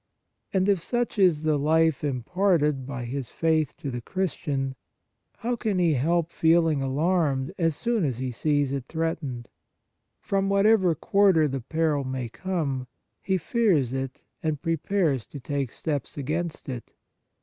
And if such is the life imparted by 62 The Nature of Piety his faith to the Christian, how can he help feeling alarmed as soon as he sees it threatened ? From whatever quarter the peril may come, he fears it, and prepares to take steps against it.